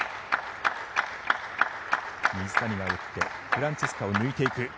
水谷が打ってフランチェスカを抜いていく。